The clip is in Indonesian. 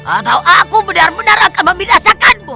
atau aku benar benar akan membirasakanmu